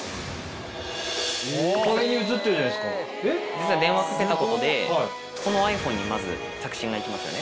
実は電話かけたことでこのｉＰｈｏｎｅにまず着信が行きますよね。